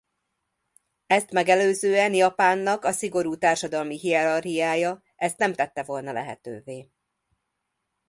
Ezt megelőzően Japánnak a szigorú társadalmi hierarchiája ezt nem tette volna lehetővé.